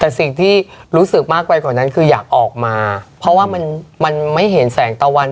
แต่สิ่งที่รู้สึกมากไปกว่านั้นคืออยากออกมาเพราะว่ามันมันไม่เห็นแสงตะวัน